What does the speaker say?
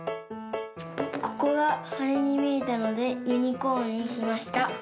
ここがはねにみえたのでユニコーンにしました。